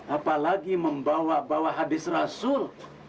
apalagi membawa bawa hadis rasul